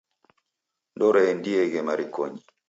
Ndooreendieghe marikonyi.